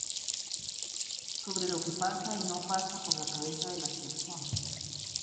Sobre lo que pasa y no pasa por la cabeza de las personas.